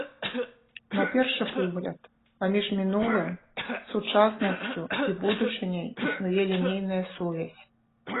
На першы погляд, паміж мінулым, сучаснасцю і будучыняй існуе лінейная сувязь.